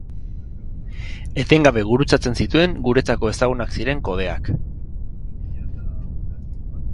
Etengabe gurutzatzen zituen guretzako ezagunak ziren kodeak.